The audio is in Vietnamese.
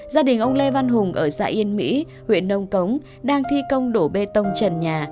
gia đình ông lê văn hùng ở xã yên mỹ huyện nông cống đang thi công đổ bê tông trần nhà